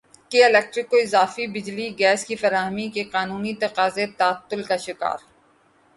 کے الیکٹرک کو اضافی بجلی گیس کی فراہمی کے قانونی تقاضے تعطل کا شکار